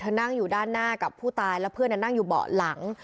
เธอนั่งอยู่ด้านหน้ากับผู้ตายเพื่อนนั้นนั่งอยู่เบาะหลัง